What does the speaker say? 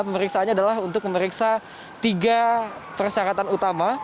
pemeriksaannya adalah untuk memeriksa tiga persyaratan utama